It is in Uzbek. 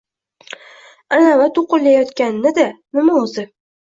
Anavi to’qillatayotganni-da, nima o’zi?